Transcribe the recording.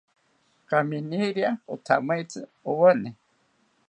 Kaminiria othameitzi owane